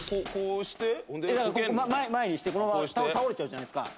前にしてこのまま倒れちゃうじゃないですか。